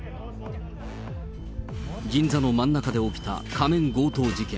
銀座の真ん中で起きた仮面強盗事件。